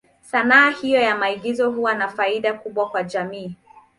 Sanaa hiyo ya maigizo huwa na faida kubwa kwa jamii.